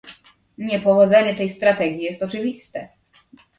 Niepowodzenie tej strategii jest oczywiste